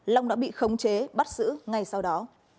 long đã bị khống chế bắt giữ ngay sau đó